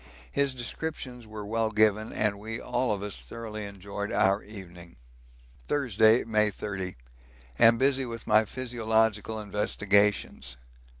His descriptions were well given and we all of us thoroughly enjoyed our evening. Tuesday, May 30. Am busy with my physiological investigations.